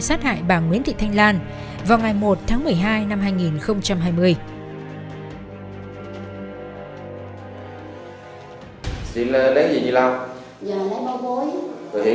tức là mình đã mang tội nên mình phải hiểu